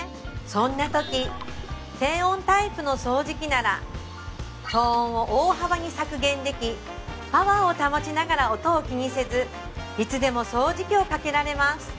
そんなとき静音タイプの掃除機なら騒音を大幅に削減できパワーを保ちながら音を気にせずいつでも掃除機をかけられます